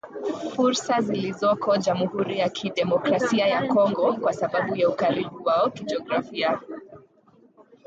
fursa zilizoko jamuhuri ya kidemokrasia ya Kongo kwa sababu ya ukaribu wao kijografia